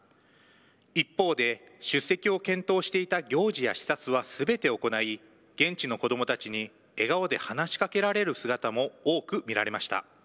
一方で、出席を検討していた行事や視察はすべて行い、現地の子どもたちに笑顔で話しかけられる姿も多く見られました。